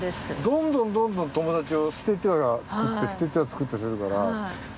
どんどんどんどん友達を捨ててはつくって捨ててはつくってするから。